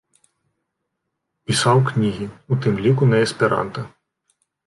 Пісаў кнігі, у тым ліку на эсперанта.